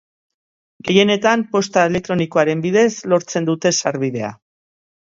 Gehienetan posta elektronikoaren bidez lortzen dute sarbidea.